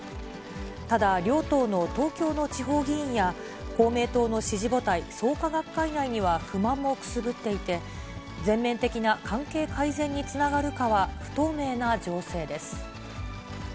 ただ、両党の東京の地方議員や、公明党の支持母体、創価学会内には不満もくすぶっていて、全面的な関係改善につながるかは不透明な情勢です。